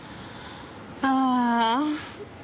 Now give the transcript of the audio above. ああ。